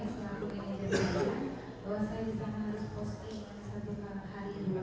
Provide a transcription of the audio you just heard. sama halnya seperti saya yang di mokai berumah lima